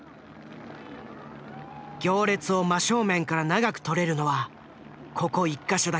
行列を真正面から長く撮れるのはここ１か所だけ。